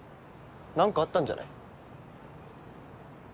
何かあったんじゃない？